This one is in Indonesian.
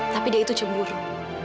tapi dia itu cemburan